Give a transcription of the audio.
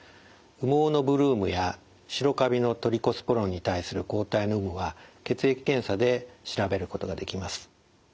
羽毛のブルームや白カビのトリコスポロンに対する抗体の有無は血液検査で調べることができます。